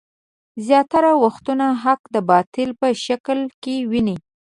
زياتره وختونه حق د باطل په شکل کې ويني.